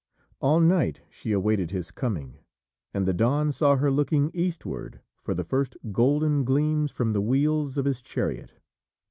All night she awaited his coming, and the Dawn saw her looking eastward for the first golden gleams from the wheels of his chariot.